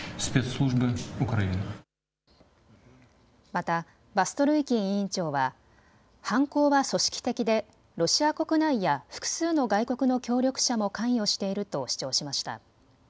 また、バストルイキン委員長は犯行は組織的でロシア国内や複数の外国の協力者も関与していると主張しました。